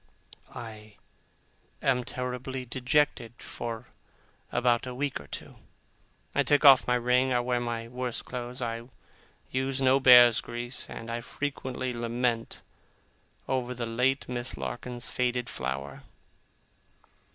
I am terribly dejected for about a week or two. I take off my ring, I wear my worst clothes, I use no bear's grease, and I frequently lament over the late Miss Larkins's faded flower.